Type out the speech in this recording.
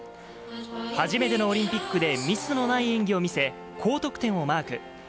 初めてのオリンピックでミスのない演技を見せ、高得点をマーク。